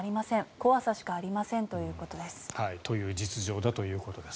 怖さしかありませんということです。